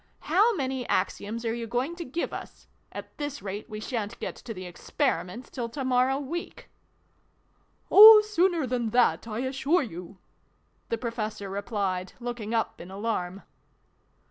" How many Axioms are you going to give us ? At this rate, we sha'n't get to the Experi ments till to morrow week !"" Oh, sooner than that, I assure you !" the Professor replied, looking up in alarm.